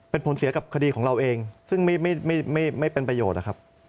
เป็นผลเสียกับคดีของเราเองซึ่งไม่เป็นประโยชน์นะครับ